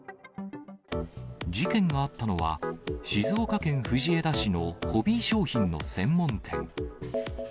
事件があったのは、静岡県藤枝市のホビー商品の専門店。